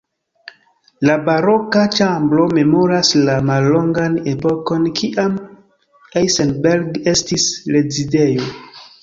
La Baroka ĉambro memoras la mallongan epokon kiam Eisenberg estis rezidejo.